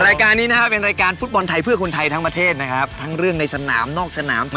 รายการนี้นะครับเป็นรายการฟุตบอลไทยเพื่อคนไทยทั้งประเทศนะครับทั้งเรื่องในสนามนอกสนาม